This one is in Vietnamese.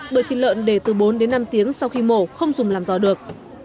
bởi thịt lợn để từ bốn đến năm tiếng sau khi mổ không dùng làm giò được